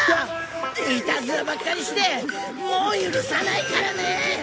いたずらばっかりしてもう許さないからね！